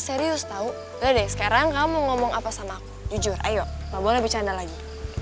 serius tahu udah deh sekarang kamu ngomong apa sama aku jujur ayo gak boleh bercanda lagi